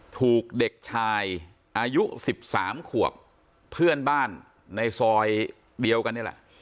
ถูกเด็กชายอายุ๑๓ขวบเพื่อนบ้านในซอยเดียวกันนี่แหละ